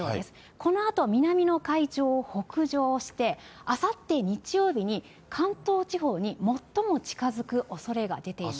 このあと、南の海上を北上して、あさって日曜日に、関東地方に最も近づくおそれが出ています。